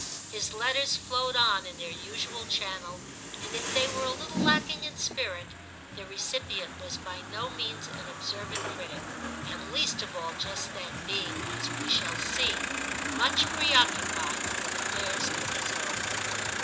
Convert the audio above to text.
His letters flowed on in their usual channel, and if they were a little lacking in spirit, their recipient was by no means an observant critic, and least of all just then, being, as we shall see, much pre occupied with affairs of his own.